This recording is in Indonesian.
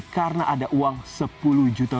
karena ada uang sebagiannya